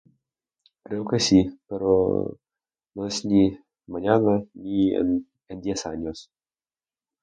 creo que sí, pero voy a decidir mañana y en 10 años